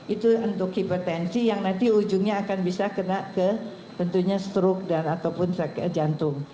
itu untuk hipertensi yang nanti ujungnya akan bisa kena ke tentunya stroke dan ataupun sakit jantung